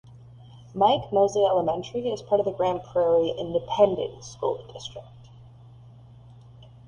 Mike Moseley Elementary is part of the Grand Prairie Independent School District.